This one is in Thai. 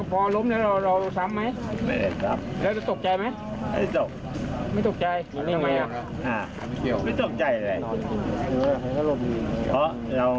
พ่อก็มองไว้ตีตีเมื่อไหร่